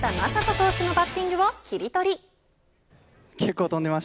投手のバッティングをキリトリ。